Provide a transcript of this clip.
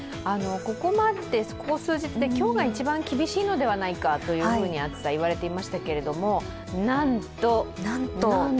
ここ数日で今日が一番厳しいのではないかと暑さ、いわれていましたけれどもなんと、なんと。